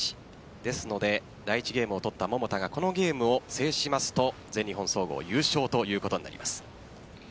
ですので第１ゲームを取った桃田が、このゲームを制しますと全日本総合優勝ということになります。